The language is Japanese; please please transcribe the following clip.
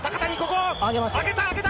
上げた！